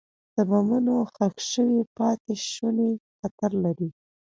د بمونو ښخ شوي پاتې شوني خطر لري.